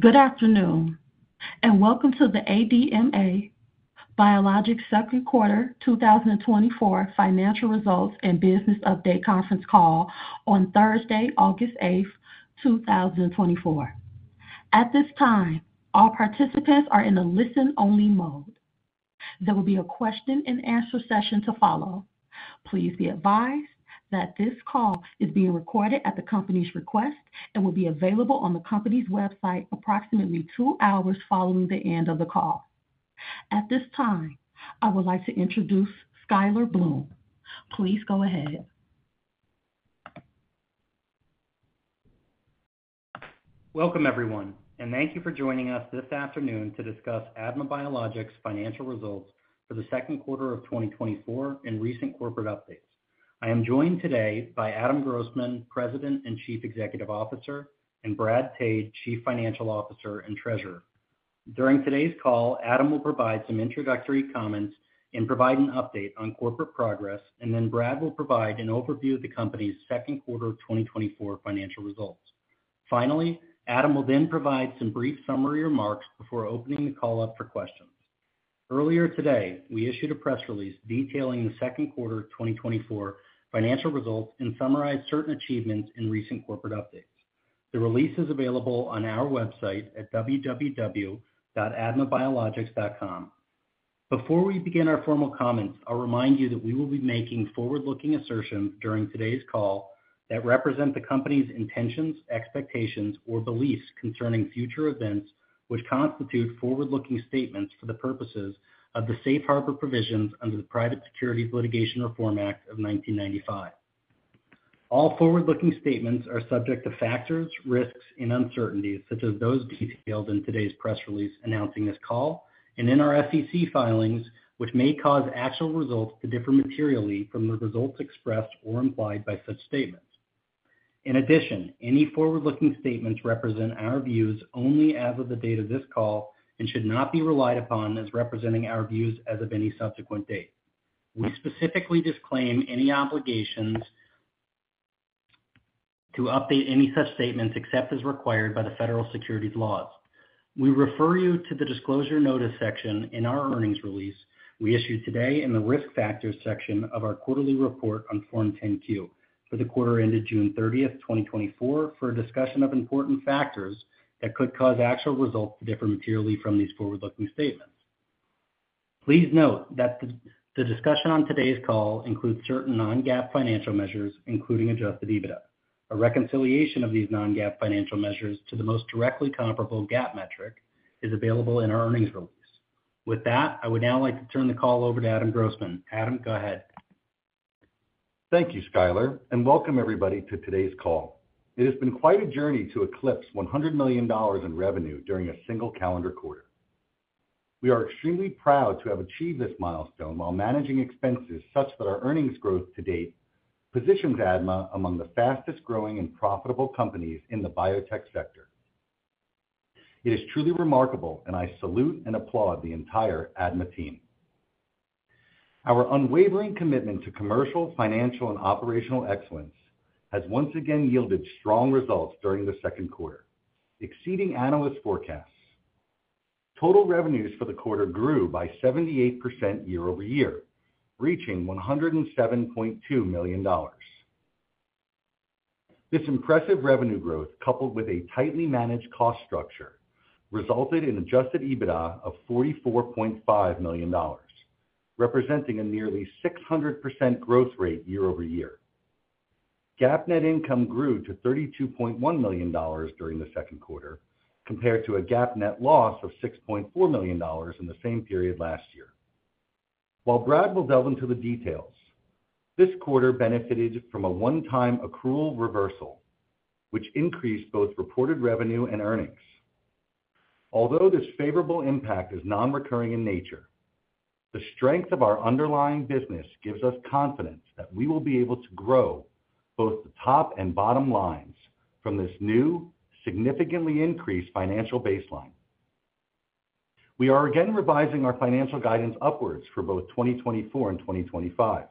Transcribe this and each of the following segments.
Good afternoon, and welcome to the ADMA Biologics second quarter 2024 financial results and business update conference call on Thursday, August 8, 2024. At this time, all participants are in a listen-only mode. There will be a question and answer session to follow. Please be advised that this call is being recorded at the company's request and will be available on the company's website approximately 2 hours following the end of the call. At this time, I would like to introduce Skyler Bloom. Please go ahead. Welcome, everyone, and thank you for joining us this afternoon to discuss ADMA Biologics' financial results for the second quarter of 2024 and recent corporate updates. I am joined today by Adam Grossman, President and Chief Executive Officer, and Brad Tade, Chief Financial Officer and Treasurer. During today's call, Adam will provide some introductory comments and provide an update on corporate progress, and then Brad will provide an overview of the company's second quarter of 2024 financial results. Finally, Adam will then provide some brief summary remarks before opening the call up for questions. Earlier today, we issued a press release detailing the second quarter of 2024 financial results and summarized certain achievements and recent corporate updates. The release is available on our website at www.admabiologics.com. Before we begin our formal comments, I'll remind you that we will be making forward-looking assertions during today's call that represent the company's intentions, expectations, or beliefs concerning future events, which constitute forward-looking statements for the purposes of the Safe Harbor Provisions under the Private Securities Litigation Reform Act of 1995. All forward-looking statements are subject to factors, risks, and uncertainties, such as those detailed in today's press release announcing this call and in our SEC filings, which may cause actual results to differ materially from the results expressed or implied by such statements. In addition, any forward-looking statements represent our views only as of the date of this call and should not be relied upon as representing our views as of any subsequent date. We specifically disclaim any obligations to update any such statements, except as required by the federal securities laws. We refer you to the Disclosure Notice section in our earnings release we issued today and the Risk Factors section of our quarterly report on Form 10-Q for the quarter ended June 30, 2024, for a discussion of important factors that could cause actual results to differ materially from these forward-looking statements. Please note that the discussion on today's call includes certain non-GAAP financial measures, including Adjusted EBITDA. A reconciliation of these non-GAAP financial measures to the most directly comparable GAAP metric is available in our earnings release. With that, I would now like to turn the call over to Adam Grossman. Adam, go ahead. Thank you, Skyler, and welcome everybody to today's call. It has been quite a journey to eclipse $100 million in revenue during a single calendar quarter. We are extremely proud to have achieved this milestone while managing expenses such that our earnings growth to date positions ADMA among the fastest-growing and profitable companies in the biotech sector. It is truly remarkable, and I salute and applaud the entire ADMA team. Our unwavering commitment to commercial, financial, and operational excellence has once again yielded strong results during the second quarter, exceeding analyst forecasts. Total revenues for the quarter grew by 78% year-over-year, reaching $107.2 million. This impressive revenue growth, coupled with a tightly managed cost structure, resulted in Adjusted EBITDA of $44.5 million, representing a nearly 600% growth rate year-over-year. GAAP net income grew to $32.1 million during the second quarter, compared to a GAAP net loss of $6.4 million in the same period last year. While Brad will delve into the details, this quarter benefited from a one-time accrual reversal, which increased both reported revenue and earnings. Although this favorable impact is non-recurring in nature, the strength of our underlying business gives us confidence that we will be able to grow both the top and bottom lines from this new, significantly increased financial baseline. We are again revising our financial guidance upwards for both 2024 and 2025.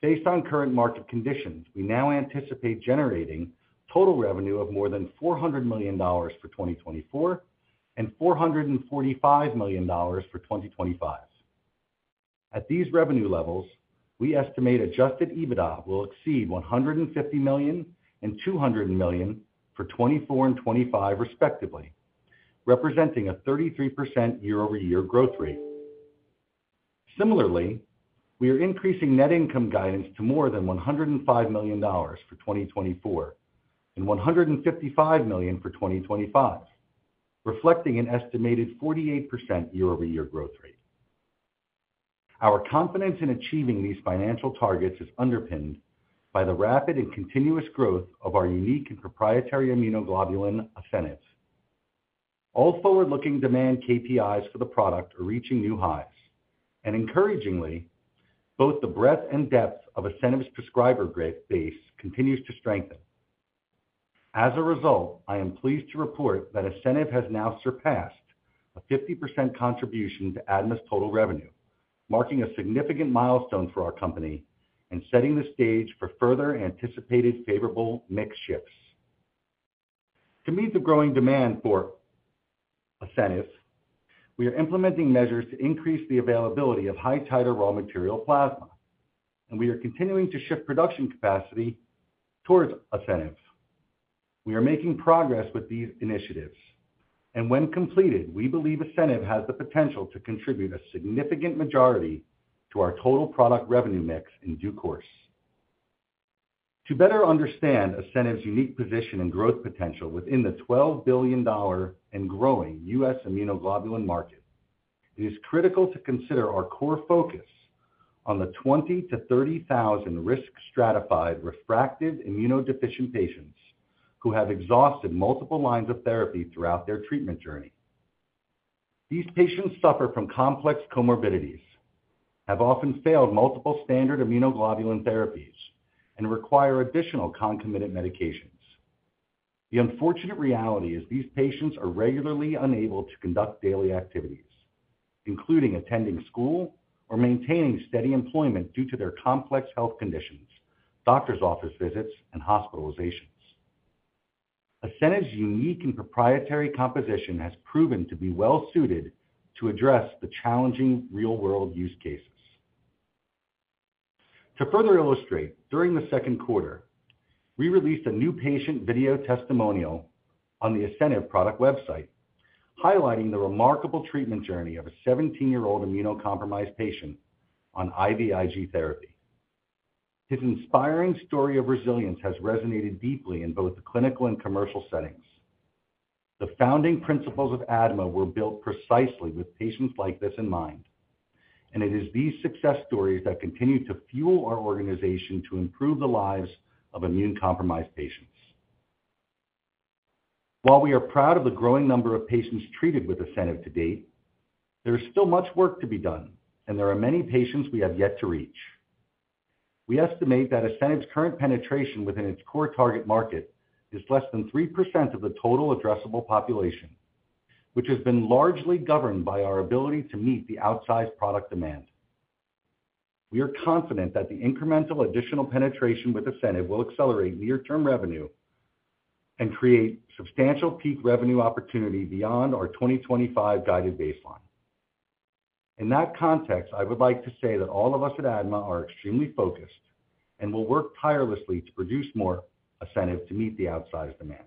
Based on current market conditions, we now anticipate generating total revenue of more than $400 million for 2024 and $445 million for 2025. At these revenue levels, we estimate Adjusted EBITDA will exceed $150 million and $200 million for 2024 and 2025, respectively, representing a 33% year-over-year growth rate. Similarly, we are increasing net income guidance to more than $105 million for 2024 and $155 million for 2025, reflecting an estimated 48% year-over-year growth rate. Our confidence in achieving these financial targets is underpinned by the rapid and continuous growth of our unique and proprietary immunoglobulin, ASCENIV. All forward-looking demand KPIs for the product are reaching new highs, and encouragingly, both the breadth and depth of ASCENIV's prescriber base continues to strengthen. As a result, I am pleased to report that ASCENIV has now surpassed-... a 50% contribution to ADMA's total revenue, marking a significant milestone for our company and setting the stage for further anticipated favorable mix shifts. To meet the growing demand for ASCENIV, we are implementing measures to increase the availability of high-titer raw material plasma, and we are continuing to shift production capacity towards ASCENIV. We are making progress with these initiatives, and when completed, we believe ASCENIV has the potential to contribute a significant majority to our total product revenue mix in due course. To better understand ASCENIV's unique position and growth potential within the $12 billion and growing US immunoglobulin market, it is critical to consider our core focus on the 20,000-30,000 risk-stratified, refractory immunodeficient patients who have exhausted multiple lines of therapy throughout their treatment journey. These patients suffer from complex comorbidities, have often failed multiple standard immunoglobulin therapies, and require additional concomitant medications. The unfortunate reality is these patients are regularly unable to conduct daily activities, including attending school or maintaining steady employment, due to their complex health conditions, doctor's office visits, and hospitalizations. ASCENIV's unique and proprietary composition has proven to be well-suited to address the challenging real-world use cases. To further illustrate, during the second quarter, we released a new patient video testimonial on the ASCENIV product website, highlighting the remarkable treatment journey of a 17-year-old immunocompromised patient on IVIG therapy. His inspiring story of resilience has resonated deeply in both clinical and commercial settings. The founding principles of ADMA were built precisely with patients like this in mind, and it is these success stories that continue to fuel our organization to improve the lives of immune-compromised patients. While we are proud of the growing number of patients treated with ASCENIV to date, there is still much work to be done, and there are many patients we have yet to reach. We estimate that ASCENIV's current penetration within its core target market is less than 3% of the total addressable population, which has been largely governed by our ability to meet the outsized product demand. We are confident that the incremental additional penetration with ASCENIV will accelerate near-term revenue and create substantial peak revenue opportunity beyond our 2025 guided baseline. In that context, I would like to say that all of us at ADMA are extremely focused and will work tirelessly to produce more ASCENIV to meet the outsized demand.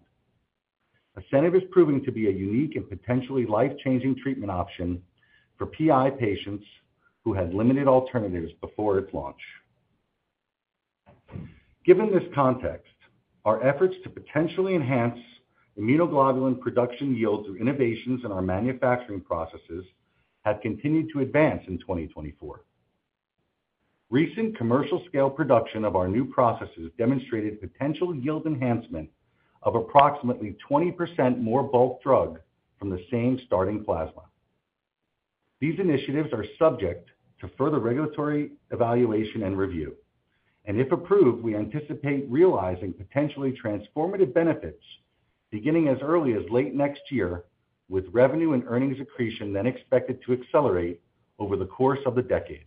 ASCENIV is proving to be a unique and potentially life-changing treatment option for PI patients who had limited alternatives before its launch. Given this context, our efforts to potentially enhance immunoglobulin production yields through innovations in our manufacturing processes have continued to advance in 2024. Recent commercial-scale production of our new processes demonstrated potential yield enhancement of approximately 20% more bulk drug from the same starting plasma. These initiatives are subject to further regulatory evaluation and review, and if approved, we anticipate realizing potentially transformative benefits beginning as early as late next year, with revenue and earnings accretion then expected to accelerate over the course of the decade.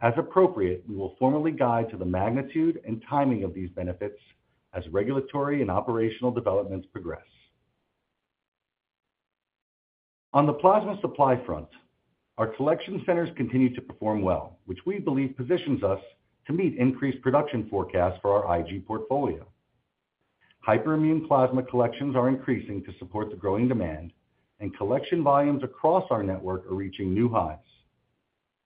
As appropriate, we will formally guide to the magnitude and timing of these benefits as regulatory and operational developments progress. On the plasma supply front, our collection centers continue to perform well, which we believe positions us to meet increased production forecasts for our IG portfolio. Hyperimmune plasma collections are increasing to support the growing demand, and collection volumes across our network are reaching new highs.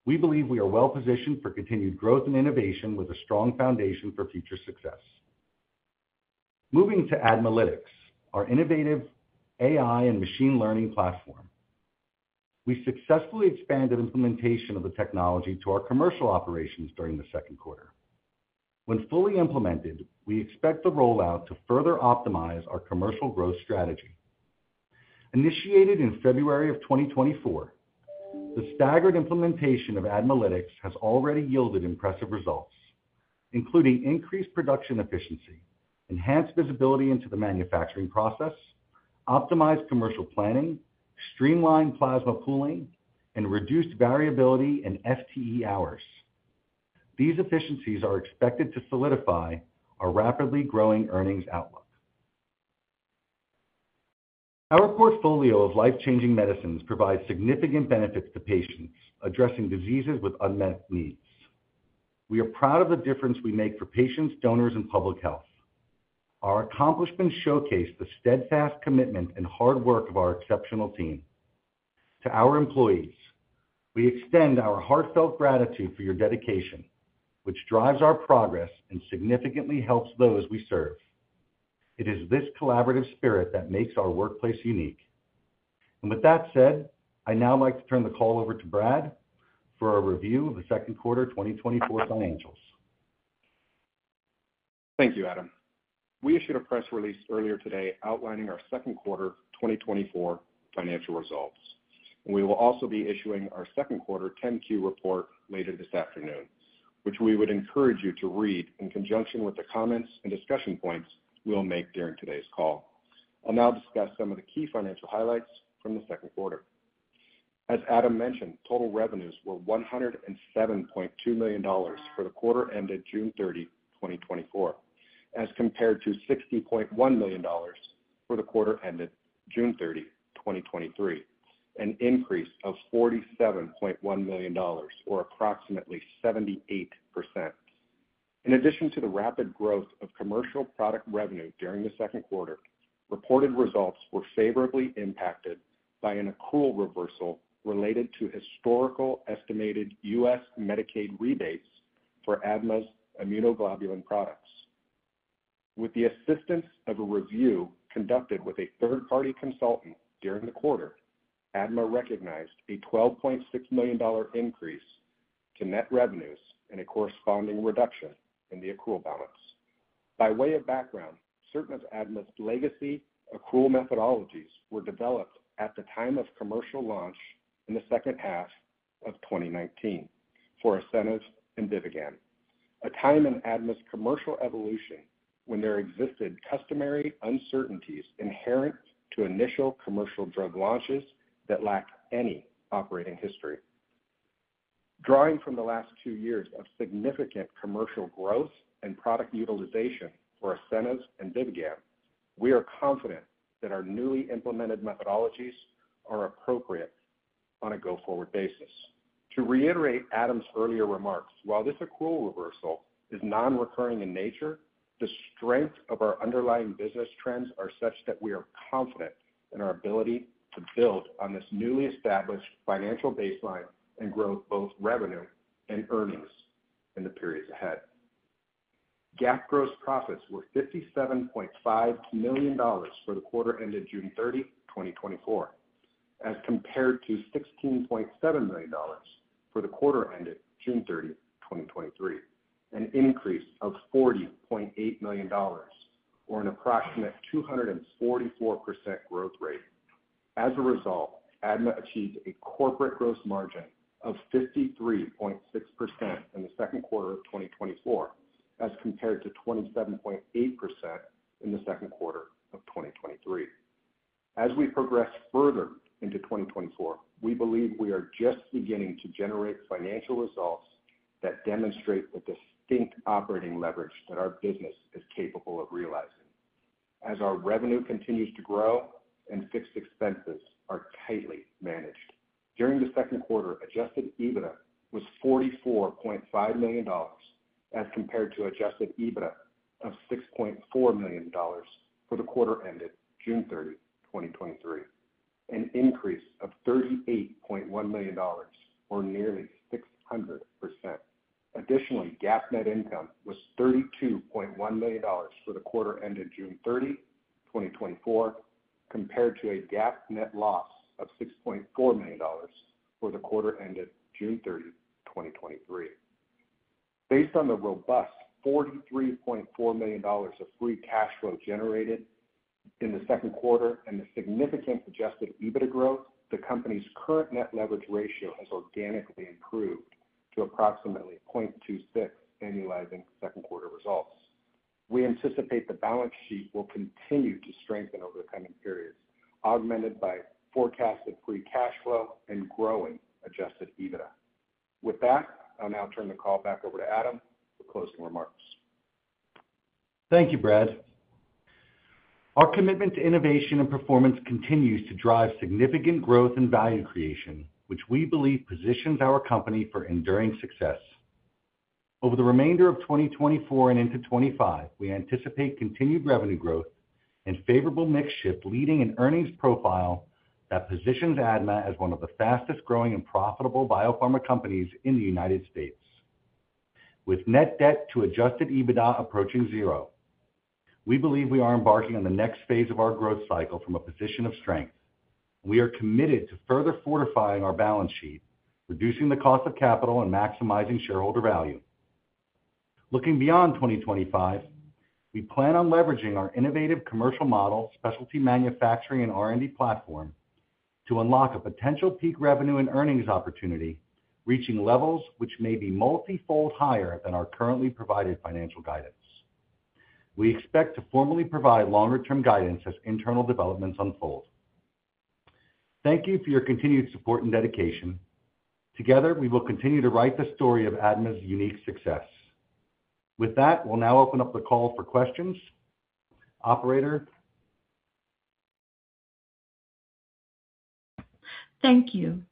We believe we are well positioned for continued growth and innovation, with a strong foundation for future success. Moving to ADMAlytics, our innovative AI and machine learning platform. We successfully expanded implementation of the technology to our commercial operations during the second quarter. When fully implemented, we expect the rollout to further optimize our commercial growth strategy. Initiated in February of 2024, the staggered implementation of ADMAlytics has already yielded impressive results, including increased production efficiency, enhanced visibility into the manufacturing process, optimized commercial planning, streamlined plasma pooling, and reduced variability in FTE hours. These efficiencies are expected to solidify our rapidly growing earnings outlook. Our portfolio of life-changing medicines provides significant benefits to patients addressing diseases with unmet needs. We are proud of the difference we make for patients, donors, and public health. Our accomplishments showcase the steadfast commitment and hard work of our exceptional team. To our employees, we extend our heartfelt gratitude for your dedication, which drives our progress and significantly helps those we serve. It is this collaborative spirit that makes our workplace unique. With that said, I'd now like to turn the call over to Brad for a review of the second quarter 2024 financials. Thank you, Adam. We issued a press release earlier today outlining our second quarter 2024 financial results. We will also be issuing our second quarter 10-Q report later this afternoon, which we would encourage you to read in conjunction with the comments and discussion points we'll make during today's call. I'll now discuss some of the key financial highlights from the second quarter. As Adam mentioned, total revenues were $107.2 million for the quarter ended June 30, 2024, as compared to $60.1 million for the quarter ended June 30, 2023, an increase of $47.1 million, or approximately 78%. In addition to the rapid growth of commercial product revenue during the second quarter, reported results were favorably impacted by an accrual reversal related to historical estimated U.S. Medicaid rebates for ADMA's immunoglobulin products. With the assistance of a review conducted with a third-party consultant during the quarter, ADMA recognized a $12.6 million increase to net revenues and a corresponding reduction in the accrual balance. By way of background, certain of ADMA's legacy accrual methodologies were developed at the time of commercial launch in the second half of 2019 for ASCENIV and BIVIGAM, a time in ADMA's commercial evolution when there existed customary uncertainties inherent to initial commercial drug launches that lacked any operating history. Drawing from the last two years of significant commercial growth and product utilization for ASCENIV and BIVIGAM, we are confident that our newly implemented methodologies are appropriate on a go-forward basis. To reiterate Adam's earlier remarks, while this accrual reversal is nonrecurring in nature, the strength of our underlying business trends are such that we are confident in our ability to build on this newly established financial baseline and grow both revenue and earnings in the periods ahead. GAAP gross profits were $57.5 million for the quarter ended June 30, 2024, as compared to $16.7 million for the quarter ended June 30, 2023, an increase of $40.8 million, or an approximate 244% growth rate. As a result, ADMA achieved a corporate gross margin of 53.6% in the second quarter of 2024, as compared to 27.8% in the second quarter of 2023. As we progress further into 2024, we believe we are just beginning to generate financial results that demonstrate the distinct operating leverage that our business is capable of realizing. As our revenue continues to grow and fixed expenses are tightly managed. During the second quarter, Adjusted EBITDA was $44.5 million, as compared to Adjusted EBITDA of $6.4 million for the quarter ended June 30, 2023, an increase of $38.1 million, or nearly 600%. Additionally, GAAP net income was $32.1 million for the quarter ended June 30, 2024, compared to a GAAP net loss of $6.4 million for the quarter ended June 30, 2023. Based on the robust $43.4 million of free cash flow generated in the second quarter and the significant Adjusted EBITDA growth, the company's current net leverage ratio has organically improved to approximately 0.26, annualizing second quarter results. We anticipate the balance sheet will continue to strengthen over the coming periods, augmented by forecasted free cash flow and growing Adjusted EBITDA. With that, I'll now turn the call back over to Adam for closing remarks. Thank you, Brad. Our commitment to innovation and performance continues to drive significant growth and value creation, which we believe positions our company for enduring success. Over the remainder of 2024 and into 2025, we anticipate continued revenue growth and favorable mix shift, leading an earnings profile that positions ADMA as one of the fastest growing and profitable biopharma companies in the United States. With net debt to Adjusted EBITDA approaching zero, we believe we are embarking on the next phase of our growth cycle from a position of strength. We are committed to further fortifying our balance sheet, reducing the cost of capital, and maximizing shareholder value. Looking beyond 2025, we plan on leveraging our innovative commercial model, specialty manufacturing and R&D platform to unlock a potential peak revenue and earnings opportunity, reaching levels which may be multi-fold higher than our currently provided financial guidance. We expect to formally provide longer-term guidance as internal developments unfold. Thank you for your continued support and dedication. Together, we will continue to write the story of ADMA's unique success. With that, we'll now open up the call for questions. Operator? Thank you.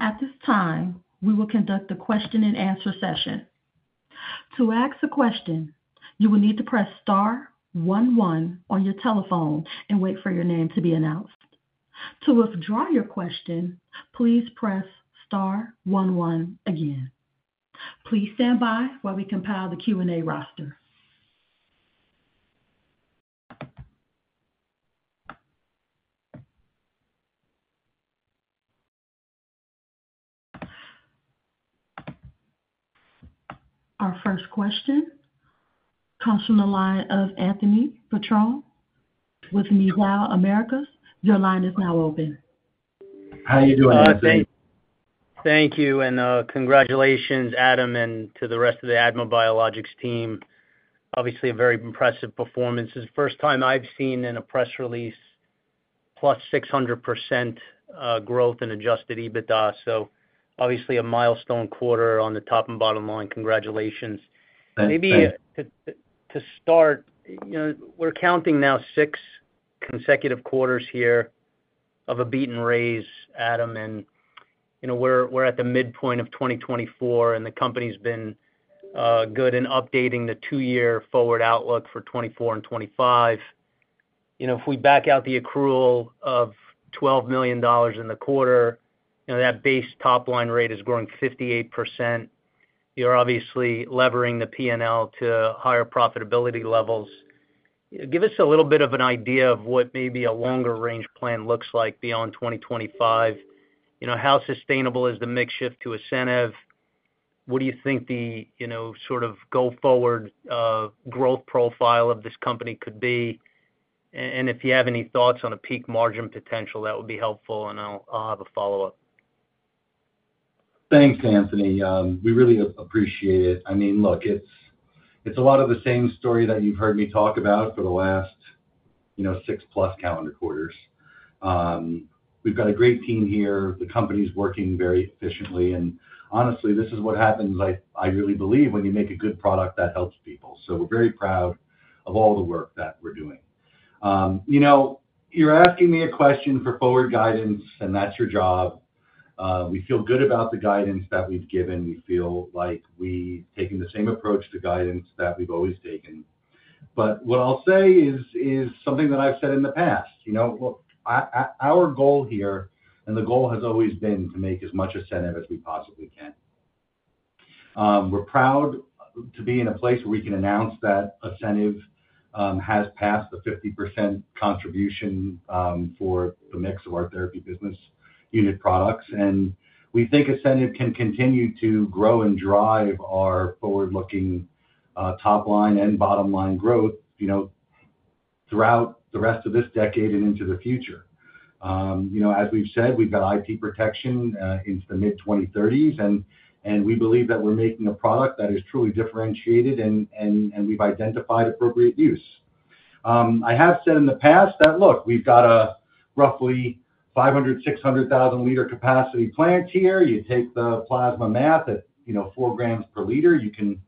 At this time, we will conduct a question-and-answer session. To ask a question, you will need to press star one one on your telephone and wait for your name to be announced. To withdraw your question, please press star one one again. Please stand by while we compile the Q&A roster.... Our first question comes from the line of Anthony Petrone with Mizuho Americas. Your line is now open. How are you doing, Anthony? Thank you, and congratulations, Adam, and to the rest of the ADMA Biologics team. Obviously, a very impressive performance. This is the first time I've seen in a press release, +600% growth in Adjusted EBITDA. So obviously, a milestone quarter on the top and bottom line. Congratulations. Thanks. Maybe to start, you know, we're counting now six consecutive quarters here of a beat and raise, Adam, and, you know, we're at the midpoint of 2024, and the company's been good in updating the two-year forward outlook for 2024 and 2025. You know, if we back out the accrual of $12 million in the quarter, you know, that base top-line rate is growing 58%. You're obviously levering the PNL to higher profitability levels. Give us a little bit of an idea of what maybe a longer-range plan looks like beyond 2025. You know, how sustainable is the mix shift to ASCENIV? What do you think the, you know, sort of go-forward growth profile of this company could be? And, and if you have any thoughts on a peak margin potential, that would be helpful, and I'll have a follow-up. Thanks, Anthony. We really appreciate it. I mean, look, it's a lot of the same story that you've heard me talk about for the last, you know, 6-plus calendar quarters. We've got a great team here. The company's working very efficiently, and honestly, this is what happens, I really believe, when you make a good product that helps people. So we're very proud of all the work that we're doing. You know, you're asking me a question for forward guidance, and that's your job. We feel good about the guidance that we've given. We feel like we taking the same approach to guidance that we've always taken. But what I'll say is something that I've said in the past, you know, well, our goal here, and the goal has always been to make as much ASCENIV as we possibly can. We're proud to be in a place where we can announce that ASCENIV has passed the 50% contribution for the mix of our therapy business unit products. And we think ASCENIV can continue to grow and drive our forward-looking top line and bottom line growth, you know, throughout the rest of this decade and into the future. You know, as we've said, we've got IP protection into the mid-2030s, and we believe that we're making a product that is truly differentiated and we've identified appropriate use. I have said in the past that, look, we've got a roughly 500-600 thousand liter capacity plant here. You take the plasma math at, you know, 4 grams per liter, you can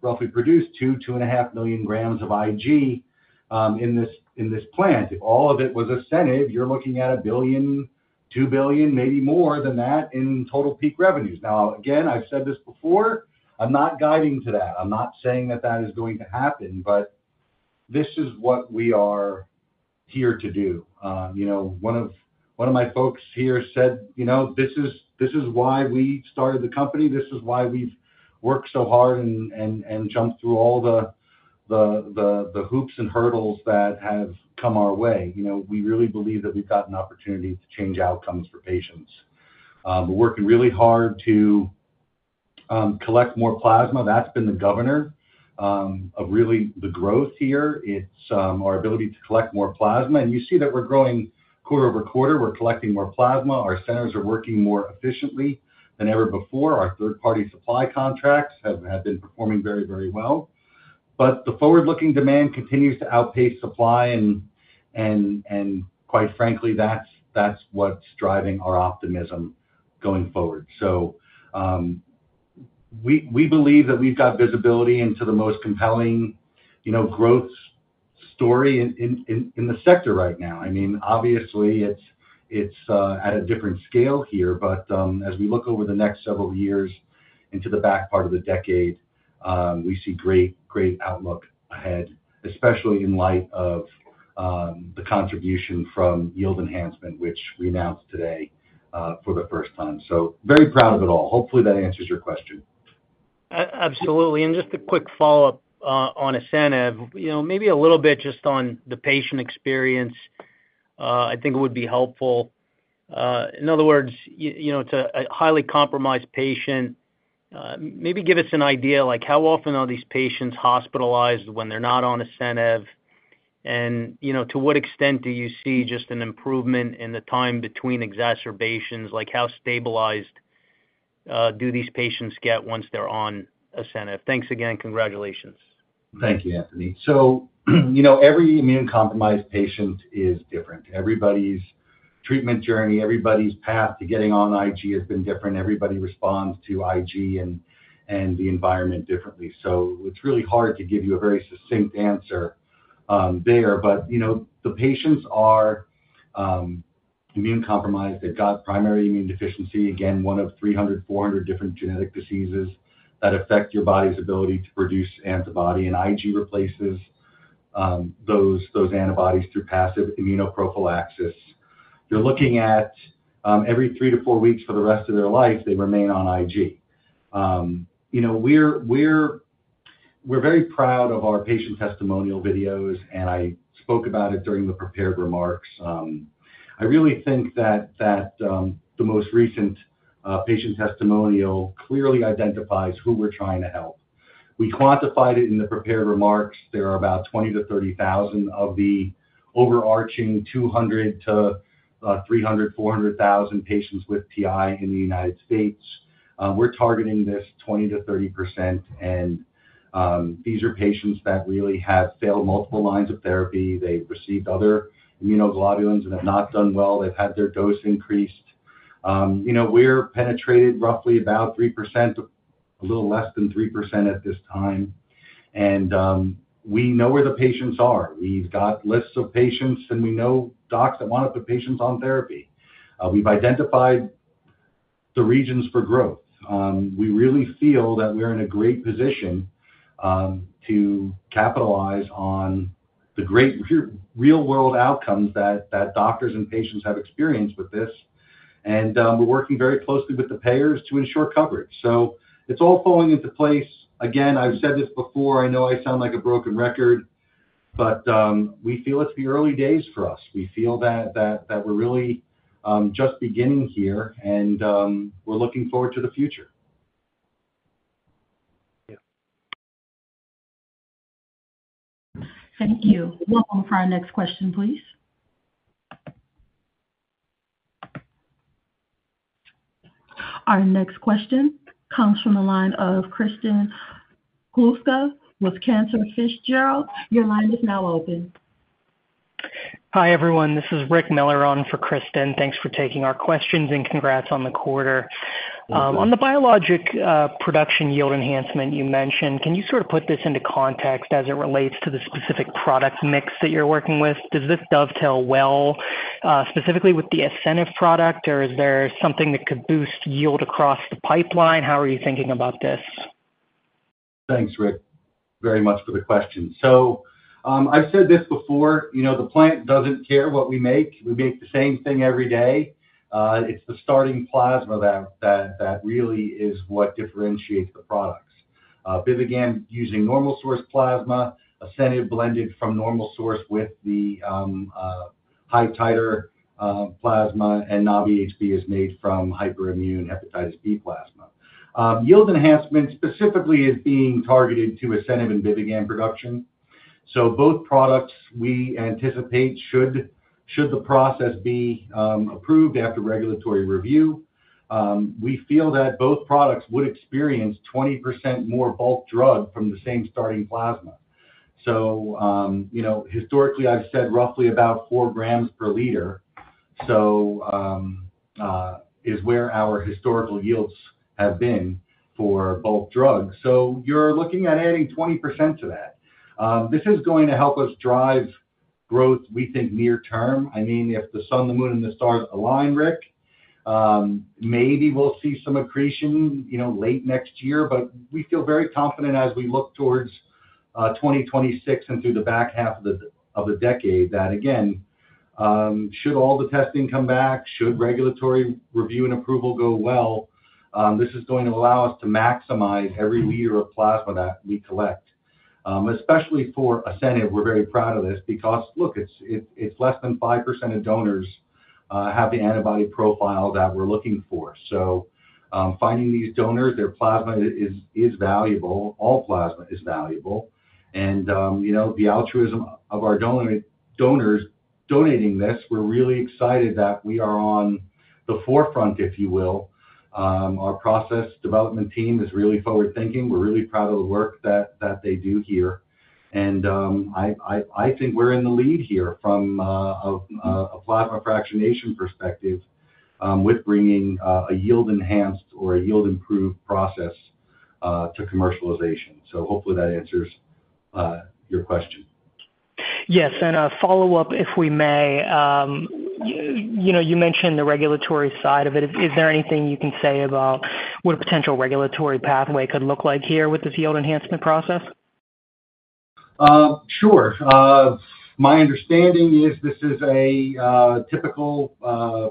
roughly produce 2-2.5 million grams of IG in this plant. If all of it was ASCENIV, you're looking at $1 billion, $2 billion, maybe more than that in total peak revenues. Now, again, I've said this before, I'm not guiding to that. I'm not saying that that is going to happen, but this is what we are here to do. You know, one of my folks here said, "You know, this is why we started the company. This is why we've worked so hard and jumped through all the hoops and hurdles that have come our way." You know, we really believe that we've got an opportunity to change outcomes for patients. We're working really hard to collect more plasma. That's been the governor of really the growth here. It's our ability to collect more plasma. And you see that we're growing quarter-over-quarter. We're collecting more plasma. Our centers are working more efficiently than ever before. Our third-party supply contracts have been performing very, very well. But the forward-looking demand continues to outpace supply, and quite frankly, that's what's driving our optimism going forward. So, we believe that we've got visibility into the most compelling, you know, growth story in the sector right now. I mean, obviously, it's at a different scale here, but, as we look over the next several years into the back part of the decade, we see great, great outlook ahead, especially in light of the contribution from yield enhancement, which we announced today, for the first time. So very proud of it all. Hopefully, that answers your question. Absolutely. Just a quick follow-up on ASCENIV. You know, maybe a little bit just on the patient experience. I think it would be helpful. In other words, you know, it's a highly compromised patient. Maybe give us an idea, like, how often are these patients hospitalized when they're not on ASCENIV? And, you know, to what extent do you see just an improvement in the time between exacerbations? Like, how stabilized do these patients get once they're on ASCENIV? Thanks again, congratulations. Thank you, Anthony. So, you know, every immune-compromised patient is different. Everybody's treatment journey, everybody's path to getting on IG has been different. Everybody responds to IG and the environment differently. So it's really hard to give you a very succinct answer there. But, you know, the patients are immune-compromised. They've got primary immune deficiency, again, one of 300, 400 different genetic diseases that affect your body's ability to produce antibody, and IG replaces those antibodies through passive immunoprophylaxis. You're looking at every 3-4 weeks for the rest of their life, they remain on IG. You know, we're very proud of our patient testimonial videos, and I spoke about it during the prepared remarks. I really think that the most recent patient testimonial clearly identifies who we're trying to help. We quantified it in the prepared remarks. There are about 20,000-30,000 of the overarching 200,000-300,000-400,000 patients with TI in the United States. We're targeting this 20%-30%, and these are patients that really have failed multiple lines of therapy. They've received other immunoglobulins and have not done well. They've had their dose increased. You know, we're penetrated roughly about 3%, a little less than 3% at this time, and we know where the patients are. We've got lists of patients, and we know docs that want to put patients on therapy. We've identified the regions for growth. We really feel that we're in a great position to capitalize on the great real-world outcomes that doctors and patients have experienced with this. We're working very closely with the payers to ensure coverage. So it's all falling into place. Again, I've said this before, I know I sound like a broken record, but we feel it's the early days for us. We feel that we're really just beginning here, and we're looking forward to the future. Thank you. Welcome for our next question, please. Our next question comes from the line of Kristen Kluska with Cantor Fitzgerald. Your line is now open. Hi, everyone. This is Rick Miller on for Kristen. Thanks for taking our questions, and congrats on the quarter. Thank you. On the biologics production yield enhancement you mentioned, can you sort of put this into context as it relates to the specific product mix that you're working with? Does this dovetail well specifically with the ASCENIV product, or is there something that could boost yield across the pipeline? How are you thinking about this? Thanks, Rick, very much for the question. So, I've said this before, you know, the plant doesn't care what we make. We make the same thing every day. It's the starting plasma that really is what differentiates the products. BIVIGAM using normal source plasma, ASCENIV blended from normal source with the high titer plasma and NABI-HB is made from hyperimmune hepatitis B plasma. Yield enhancement specifically is being targeted to ASCENIV and BIVIGAM production. So both products, we anticipate, should the process be approved after regulatory review, we feel that both products would experience 20% more bulk drug from the same starting plasma. So, you know, historically, I've said roughly about four grams per liter, so is where our historical yields have been for both drugs. So you're looking at adding 20% to that. This is going to help us drive growth, we think, near term. I mean, if the sun, the moon, and the stars align, Rick, maybe we'll see some accretion, you know, late next year. But we feel very confident as we look towards 2026 and through the back half of the decade, that again, should all the testing come back, should regulatory review and approval go well, this is going to allow us to maximize every liter of plasma that we collect. Especially for ASCENIV, we're very proud of this because, look, it's less than 5% of donors have the antibody profile that we're looking for. So, finding these donors, their plasma is valuable. All plasma is valuable, and you know, the altruism of our donors donating this, we're really excited that we are on the forefront, if you will. Our process development team is really forward-thinking. We're really proud of the work that they do here, and I think we're in the lead here from a plasma fractionation perspective, with bringing a yield enhanced or a yield improved process to commercialization. So hopefully that answers your question. Yes, and a follow-up, if we may. You know, you mentioned the regulatory side of it. Is there anything you can say about what a potential regulatory pathway could look like here with this yield enhancement process? Sure. My understanding is this is a typical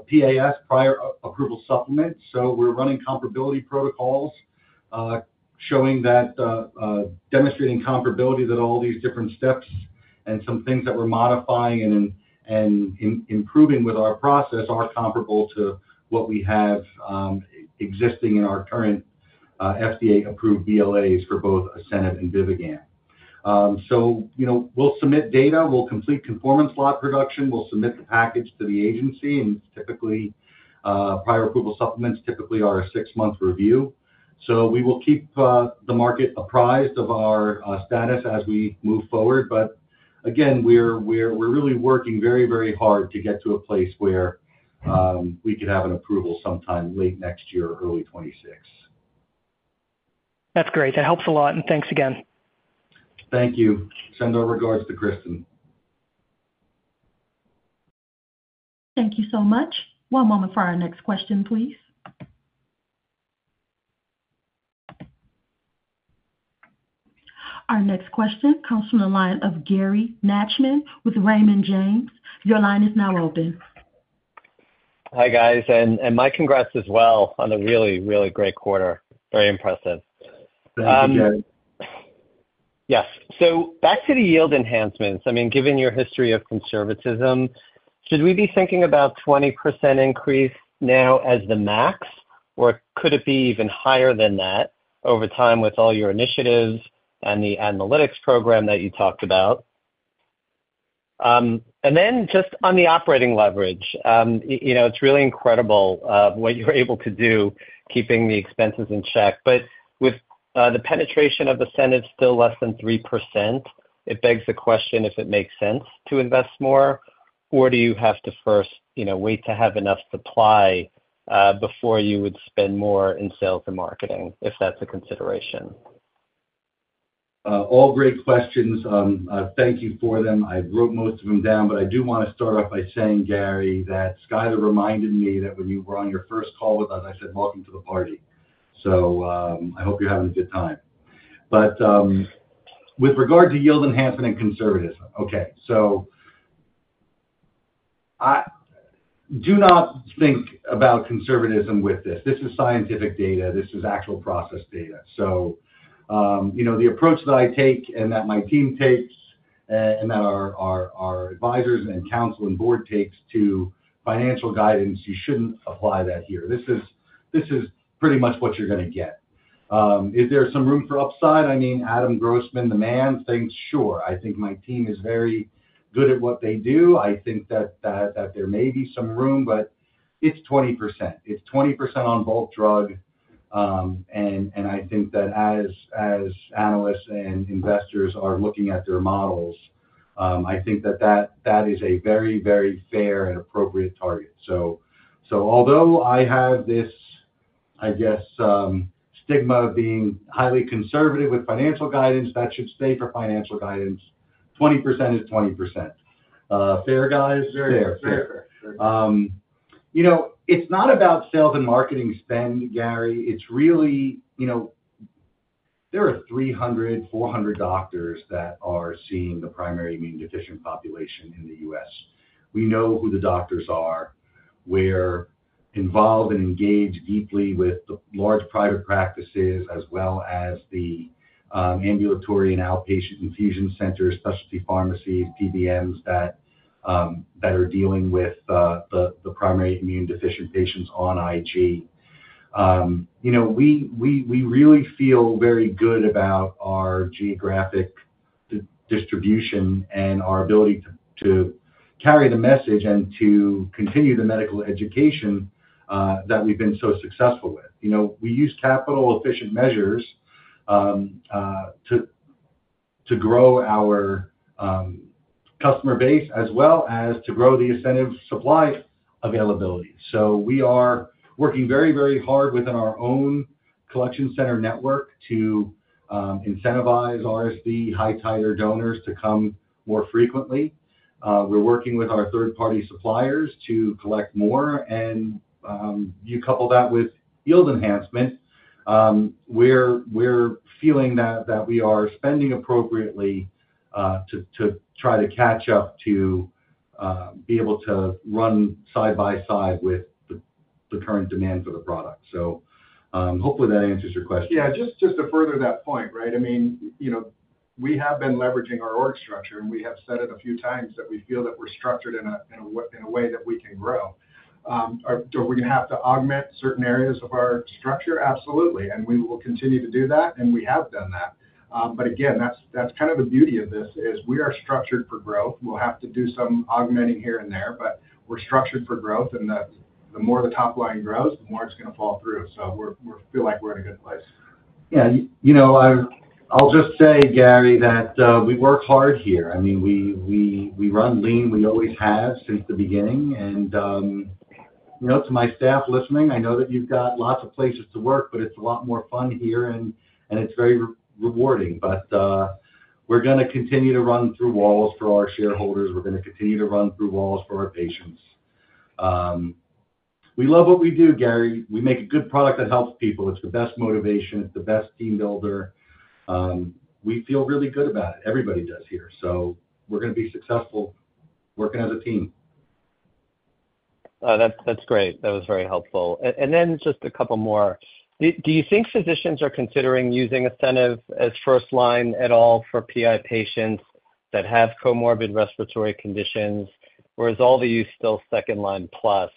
PAS, prior approval supplement, so we're running comparability protocols, showing that, demonstrating comparability that all these different steps and some things that we're modifying and improving with our process are comparable to what we have existing in our current FDA-approved BLAs for both ASCENIV and BIVIGAM. So, you know, we'll submit data, we'll complete conformance lot production, we'll submit the package to the agency, and typically prior approval supplements typically are a six-month review. So we will keep the market apprised of our status as we move forward. But again, we're really working very hard to get to a place where we could have an approval sometime late next year or early 2026. That's great. That helps a lot, and thanks again. Thank you. Send our regards to Kristin. Thank you so much. One moment for our next question, please. Our next question comes from the line of Gary Nachman with Raymond James. Your line is now open.... Hi, guys, and my congrats as well on a really, really great quarter. Very impressive. Thank you, Gary. Yes. So back to the yield enhancements, I mean, given your history of conservatism, should we be thinking about 20% increase now as the max, or could it be even higher than that over time with all your initiatives and the analytics program that you talked about? And then just on the operating leverage, you know, it's really incredible, what you're able to do, keeping the expenses in check. But with the penetration of ASCENIV still less than 3%, it begs the question if it makes sense to invest more, or do you have to first, you know, wait to have enough supply, before you would spend more in sales and marketing, if that's a consideration? All great questions. Thank you for them. I wrote most of them down, but I do want to start off by saying, Gary, that Skyler reminded me that when you were on your first call with us, I said, "Welcome to the party." So, I hope you're having a good time. But, with regard to yield enhancement and conservatism, okay, so do not think about conservatism with this. This is scientific data. This is actual process data. So, you know, the approach that I take and that my team takes, and that our advisors and counsel and board takes to financial guidance, you shouldn't apply that here. This is, this is pretty much what you're gonna get. Is there some room for upside? I mean, Adam Grossman, the man, thinks, sure. I think my team is very good at what they do. I think that there may be some room, but it's 20%. It's 20% on bulk drug, and I think that as analysts and investors are looking at their models, I think that is a very, very fair and appropriate target. Although I have this, I guess, stigma of being highly conservative with financial guidance, that should stay for financial guidance, 20% is 20%. Fair guys? Fair. Fair. You know, it's not about sales and marketing spend, Gary. It's really, you know... There are 300-400 doctors that are seeing the primary immune deficient population in the US. We know who the doctors are. We're involved and engaged deeply with the large private practices as well as the ambulatory and outpatient infusion centers, specialty pharmacies, PBMs, that that are dealing with the primary immune deficient patients on IG. You know, we really feel very good about our geographic distribution and our ability to carry the message and to continue the medical education that we've been so successful with. You know, we use capital-efficient measures to grow our customer base as well as to grow the ASCENIV supply availability. So we are working very, very hard within our own collection center network to incentivize RSV high titer donors to come more frequently. We're working with our third-party suppliers to collect more, and you couple that with yield enhancement. We're feeling that we are spending appropriately to try to catch up to be able to run side by side with the current demands of the product. So, hopefully, that answers your question. Yeah, just, just to further that point, right? I mean, you know, we have been leveraging our org structure, and we have said it a few times that we feel that we're structured in a, in a way, in a way that we can grow. Are we gonna have to augment certain areas of our structure? Absolutely, and we will continue to do that, and we have done that. But again, that's, that's kind of the beauty of this, is we are structured for growth. We'll have to do some augmenting here and there, but we're structured for growth, and the, the more the top line grows, the more it's gonna fall through. So we're- we feel like we're in a good place. Yeah, you know, I'll just say, Gary, that we work hard here. I mean, we run lean. We always have since the beginning, and you know, to my staff listening, I know that you've got lots of places to work, but it's a lot more fun here, and it's very rewarding. But, we're gonna continue to run through walls for our shareholders. We're gonna continue to run through walls for our patients. We love what we do, Gary. We make a good product that helps people. It's the best motivation. It's the best team builder. We feel really good about it. Everybody does here. So we're gonna be successful working as a team. That's great. That was very helpful. And then just a couple more. Do you think physicians are considering using ASCENIV as first line at all for PI patients that have comorbid respiratory conditions, or is all the use still second line plus?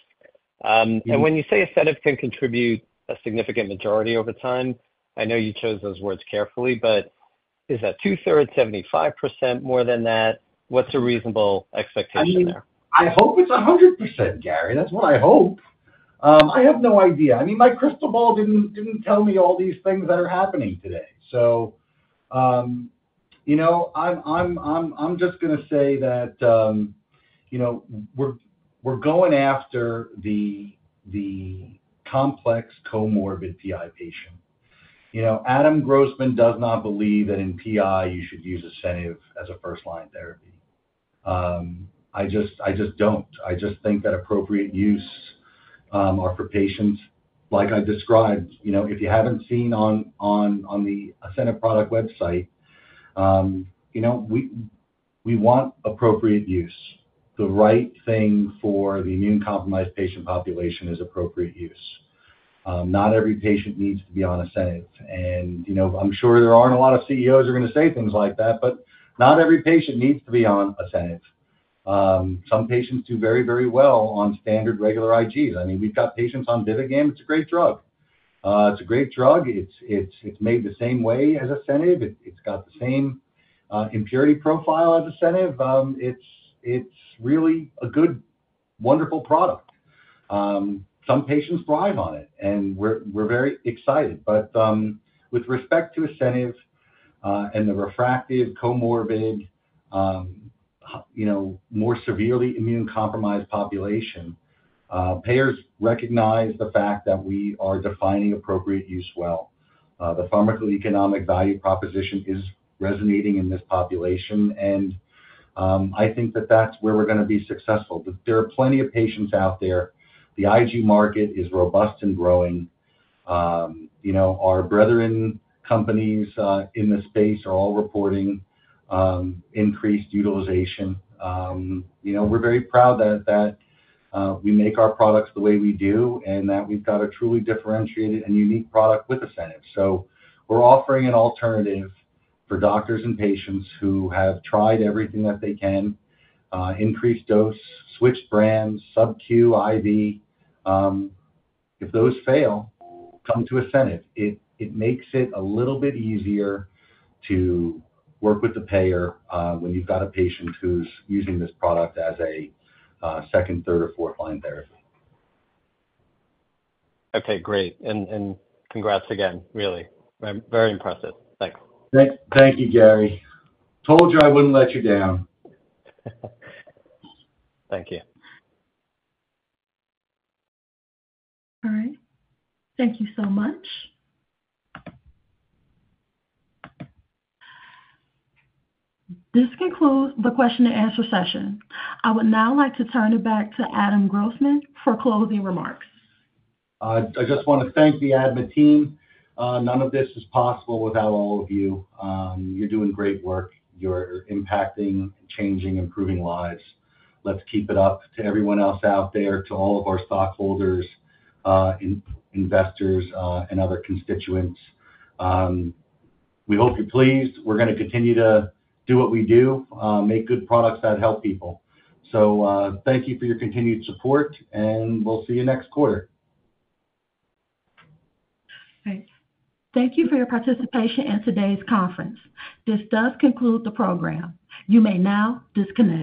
And when you say ASCENIV can contribute a significant majority over time, I know you chose those words carefully, but is that two-thirds, 75% more than that? What's a reasonable expectation there? I mean, I hope it's 100%, Gary. That's what I hope. I have no idea. I mean, my crystal ball didn't tell me all these things that are happening today. So, you know, I'm just gonna say that, you know, we're going after the complex comorbid PI patient. You know, Adam Grossman does not believe that in PI, you should use ASCENIV as a first-line therapy. I just don't. I just think that appropriate use are for patients like I described. You know, if you haven't seen on the ASCENIV product website, you know, we want appropriate use. The right thing for the immune-compromised patient population is appropriate use. Not every patient needs to be on ASCENIV, and, you know, I'm sure there aren't a lot of CEOs who are going to say things like that, but not every patient needs to be on ASCENIV. Some patients do very, very well on standard regular IGs. I mean, we've got patients on BIVIGAM. It's a great drug. It's a great drug. It's made the same way as ASCENIV. It's got the same impurity profile as ASCENIV. It's really a good, wonderful product. Some patients thrive on it, and we're very excited. But with respect to ASCENIV and the refractory comorbid, you know, more severely immune-compromised population, payers recognize the fact that we are defining appropriate use well. The pharmacoeconomic value proposition is resonating in this population, and I think that that's where we're going to be successful. There are plenty of patients out there. The IG market is robust and growing. You know, our brethren companies in the space are all reporting increased utilization. You know, we're very proud that we make our products the way we do, and that we've got a truly differentiated and unique product with ASCENIV. So we're offering an alternative for doctors and patients who have tried everything that they can, increase dose, switch brands, sub-Q, IV. If those fail, come to ASCENIV. It makes it a little bit easier to work with the payer when you've got a patient who's using this product as a second, third, or fourth line therapy. Okay, great. And, and congrats again, really. I'm very impressed. Thanks. Thank you, Gary. Told you I wouldn't let you down. Thank you. All right. Thank you so much. This concludes the question and answer session. I would now like to turn it back to Adam Grossman for closing remarks. I just want to thank the ADMA team. None of this is possible without all of you. You're doing great work. You're impacting, changing, improving lives. Let's keep it up. To everyone else out there, to all of our stockholders, investors, and other constituents, we hope you're pleased. We're gonna continue to do what we do, make good products that help people. So, thank you for your continued support, and we'll see you next quarter. Thanks. Thank you for your participation in today's conference. This does conclude the program. You may now disconnect.